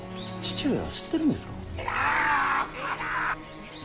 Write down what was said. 父上は知ってるんですか？